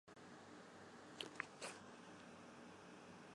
峨眉轮环藤为防己科轮环藤属轮环藤下的一个变型。